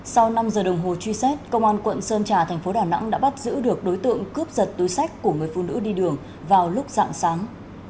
sau năm giờ đồng hồ truy xét công an quận sơn trà thành phố đà nẵng đã bắt giữ được đối tượng cướp giật túi sách của người phụ nữ đi đường vào lúc dạng sáng